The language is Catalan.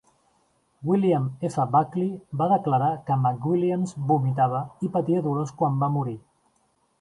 William F. Buckley va declarar que McWilliams vomitava i patia dolors quan va morir.